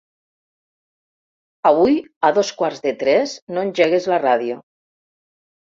Avui a dos quarts de tres no engeguis la ràdio.